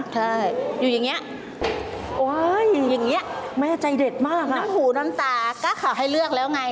ใช่อยู่อย่างนี้อย่างนี้น้ำหูน้ำตาก๊าข่าวให้เลือกแล้วไง